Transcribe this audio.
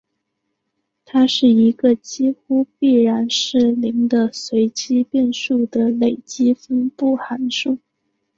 它是一个几乎必然是零的随机变数的累积分布函数。